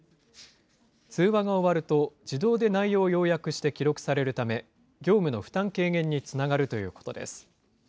通話が終わると自動で内容を要約して記録されるため、業務の負担軽減につながるということです。